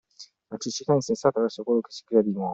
La cecità insensata verso quello che si crea di nuovo.